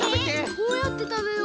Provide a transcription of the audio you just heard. どうやってたべよう。